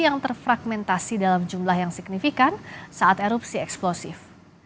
yang terfragmentasi dalam jumlah yang signifikan saat erupsi eksplosif